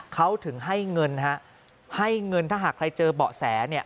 เขาถึงให้เงินฮะให้เงินถ้าหากใครเจอเบาะแสเนี่ย